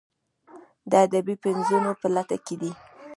د ادبي پنځونو په لټه کې دي.